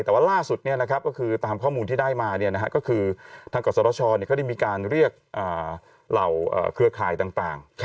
แต่ว่าล่าสุดก็คือตามข้อมูลที่ได้มาก็คือทางกศชก็ได้มีการเรียกเหล่าเครือข่ายต่าง